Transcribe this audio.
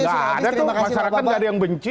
masyarakat enggak ada yang benci